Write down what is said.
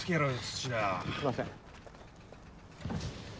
すいません。